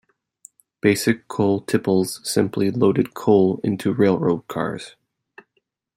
Basic coal tipples simply loaded coal into railroad cars.